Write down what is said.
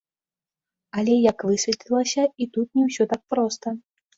Але як высветлілася, і тут не ўсё так проста.